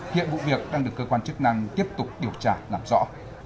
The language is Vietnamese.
hiện vụ việc đang được cơ quan chức năng tiếp tục điều tra làm rõ